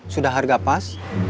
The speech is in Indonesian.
sudah harga pas